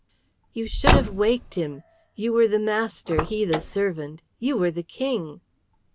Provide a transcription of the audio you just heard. "You should have waked him. You were the master, he the servant. You were the King."